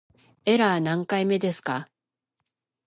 エラー何回目ですか